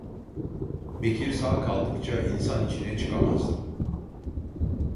Bekir sağ kaldıkça insan içine çıkamazdım.